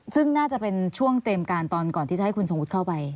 ซึ่งน่าจะเป็นช่วงเตรียมการตอนก่อนที่จะให้คุณทรงวุฒิเข้าไป